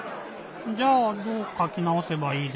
じゃあどうかきなおせばいいですか？